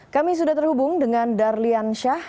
kami sudah terhubung dengan darlian syah